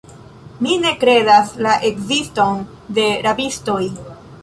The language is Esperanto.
Mi ne kredas la ekziston de rabistoj.